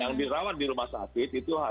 yang dirawat di rumah